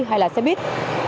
hay là xe bus